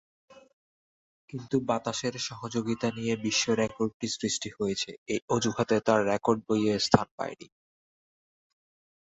কিন্তু বাতাসের সহযোগিতা নিয়ে বিশ্ব রেকর্ডটি সৃষ্টি হয়েছে এ অজুহাতে তা রেকর্ড বইয়ে স্থান পায়নি।